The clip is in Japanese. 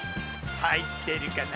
入ってるかな？